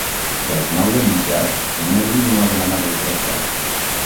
Dels nou denunciats només un no ha demanat el trasllat.